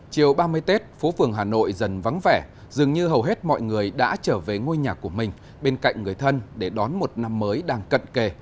chiều ba mươi tết phố phường hà nội dần vắng vẻ dường như hầu hết mọi người đã trở về ngôi nhà của mình bên cạnh người thân để đón một năm mới đang cận kề